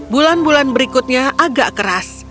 bulan bulan berikutnya agak keras